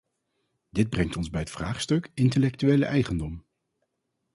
Dit brengt ons bij het vraagstuk intellectuele eigendom.